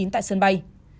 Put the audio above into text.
tại sân bay